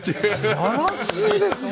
素晴らしいですね。